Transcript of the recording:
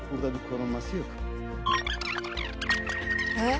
えっ？